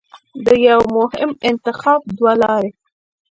د یوه مهم انتخاب دوه لارې